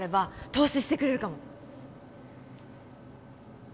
投資してくれるかも